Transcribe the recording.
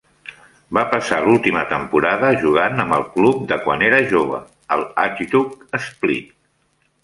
Va passar l'última temporada jugant amb el club de quan era jove, el Hajduk Split.